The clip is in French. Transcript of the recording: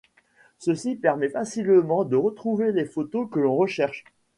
Ceci permet facilement de retrouver les photos que l'on recherche.